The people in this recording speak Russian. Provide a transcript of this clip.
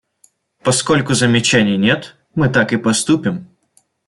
Поскольку замечаний нет, мы так и поступим.